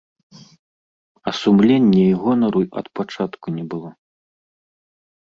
А сумлення і гонару ад пачатку не было.